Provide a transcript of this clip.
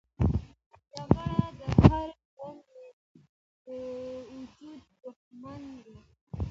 جګړه د هر ژوندي موجود دښمنه ده